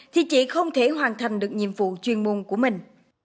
thì chị không thể hoàn thành được nhiệm vụ chuyên môn của mình